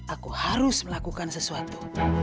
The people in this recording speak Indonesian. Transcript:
aku harus melakukan sesuatu